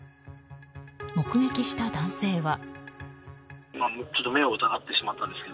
目撃した男性は。